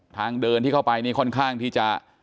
ทางเดินที่เข้าไปนี่ค่อนข้างที่จะ